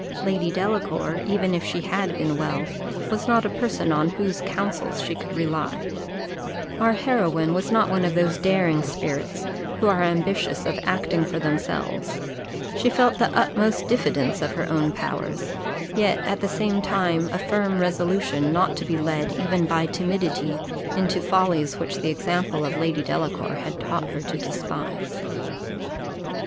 Lady Delacour, even if she had been well, was not a person on whose counsels she could rely; our heroine was not one of those daring spirits, who are ambitious of acting for themselves; she felt the utmost diffidence of her own powers, yet at the same time a firm resolution not to be led even by timidity into follies which the example of Lady Delacour had taught her to despise.